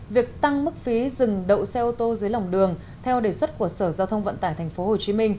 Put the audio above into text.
việc tăng mức phí dừng đậu xe ô tô dưới lòng đường theo đề xuất của sở giao thông vận tải tp hcm